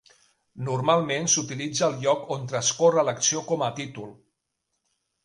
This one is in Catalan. Normalment s'utilitza el lloc on transcorre l'acció com a títol.